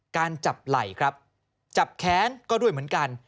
การจับไหล่ครับจับแค้นก็ด้วยเหมือนกัน